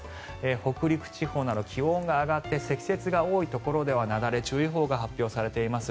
北陸地方など気温が上がって積雪が多いところではなだれ注意報が発表されています。